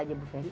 aja bu fedy